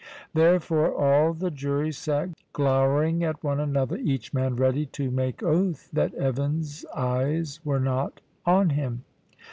Therefore all the jury sate glowering at one another, each man ready to make oath that Evan's eyes were not on him.